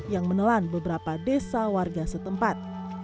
yang menelan beberapa desa warga setempat